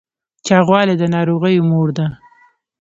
چاغوالی د ناروغیو مور ده